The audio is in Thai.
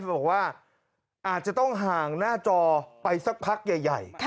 บอกว่าอาจจะต้องห่างหน้าจอไปสักพักใหญ่